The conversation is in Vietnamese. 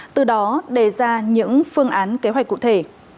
từ đó đề ra những phương án kế hoạch cụ thể